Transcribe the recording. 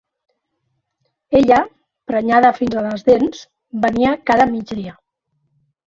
Ella, prenyada fins a les dents, venia cada migdia.